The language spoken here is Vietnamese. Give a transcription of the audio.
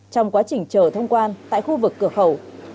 trong quá trình chờ thông quan tại khu vực cửa khẩu